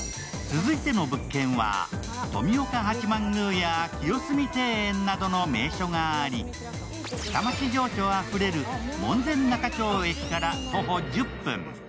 続いての物件は富岡八幡宮や清澄庭園などの名所があり下町情緒あふれる門前仲町駅から徒歩１０分。